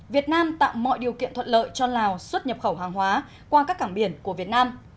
việt nam tạo mọi điều kiện thuận lợi cho lào xuất nhập khẩu hàng hóa qua các cảng biển của việt nam